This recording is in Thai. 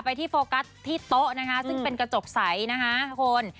ไปที่โฟกัสที่โต๊ะซึ่งเป็นกระจกใสนะคุณ